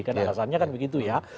karena alasannya kan begitu ya